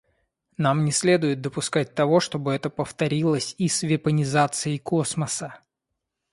Нам не следует допускать того, чтобы это повторилось и с вепонизацией космоса.